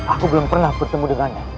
aku belum pernah bertemu dengannya